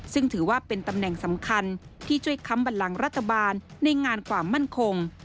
ซึ่งถือว่าเป็นตำแหน่งสำคัญที่ช่วยค้ำบันลังรัฐบาลในงานความมั่นคง